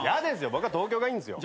僕は東京がいいんですよ。